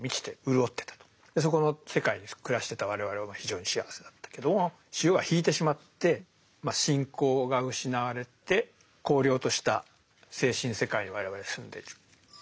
そこの世界に暮らしてた我々は非常に幸せだったけども潮が引いてしまって信仰が失われて荒涼とした精神世界に我々は住んでいる。